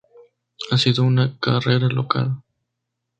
Ha sido una carrera loca.